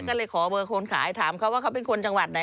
ก็เลยขอเบอร์คนขายถามเขาว่าเขาเป็นคนจังหวัดไหน